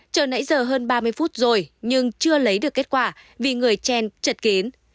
chờ nãy giờ hơn ba mươi phút rồi nhưng chưa lấy được kết quả vì người chen chật kín